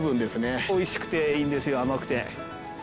おいしくていいんですよ。甘くて。